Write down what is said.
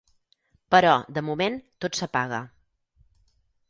Però, de moment, tot s'apaga.